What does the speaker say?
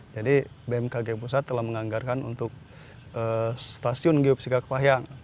jadi bmkg pusat telah menganggarkan untuk stasiun geopsika kepahyang